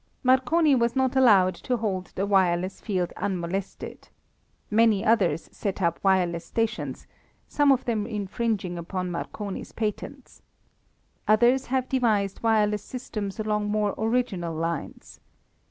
Marconi was not allowed to hold the wireless field unmolested. Many others set up wireless stations, some of them infringing upon Marconi's patents. Others have devised wireless systems along more original lines.